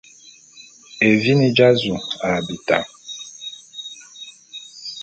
Evini dja’azu a bita.